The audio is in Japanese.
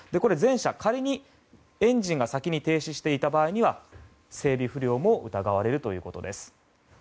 仮にエンジンが先に停止していた場合には整備不良も疑われるということです。